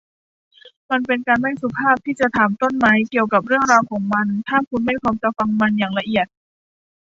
มันเป็นการไม่สุภาพที่จะถามต้นไม้เกี่ยวกับเรื่องราวของมัน ถ้าคุณไม่พร้อมจะฟังมันอย่างละเอียด